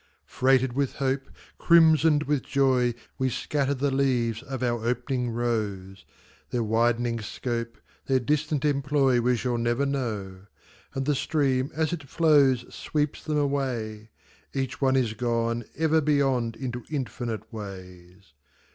Freighted with hope, Crimsoned with joy, We scatter the leaves of our opening rose; Their widening scope, Their distant employ, We never shall know. And the stream as it flows Sweeps them away, Each one is gone Ever beyond into infinite ways.